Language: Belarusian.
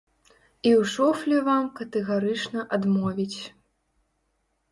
І ў шуфлі вам катэгарычна адмовіць.